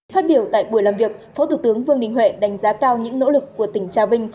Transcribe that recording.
phát biểu tại buổi làm việc phó thủ tướng vương đình huệ đánh giá cao những nỗ lực của tỉnh trà vinh